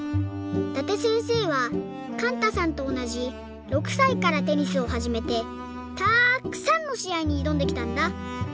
伊達せんせいはかんたさんとおなじ６さいからテニスをはじめてたっくさんのしあいにいどんできたんだ。